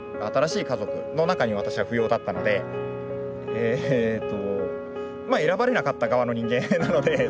えっと。